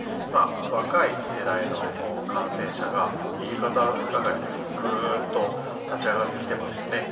若い世代の感染者が右肩上がりでグーッと立ち上がってきていますよね。